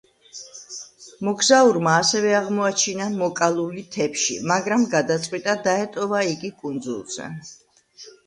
მოგზაურმა ასევე აღმოაჩინა მოკალული თეფში, მაგრამ გადაწყვიტა დაეტოვა იგი კუნძულზე.